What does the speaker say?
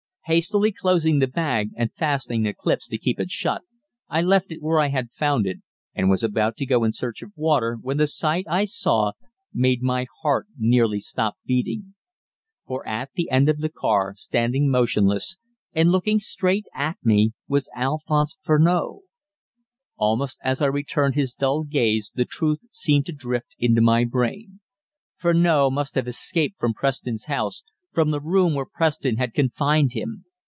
Hastily closing the bag, and fastening the clips to keep it shut, I left it where I had found it and was about to go in search of water, when the sight I saw made my heart nearly stop beating. For at the end of the car, standing motionless, and looking straight at me, was Alphonse Furneaux! Almost as I returned his dull gaze the truth seemed to drift into my brain. Furneaux must have escaped from Preston's house, from the room where Preston had confined him.